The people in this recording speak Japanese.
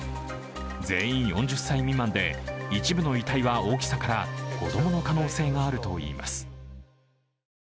全員４０歳未満で、一部の遺体は大きさから子供の可能性があるといいます。